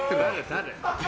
誰？